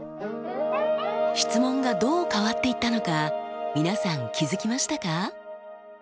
質問がどう変わっていったのか皆さん気付きましたか？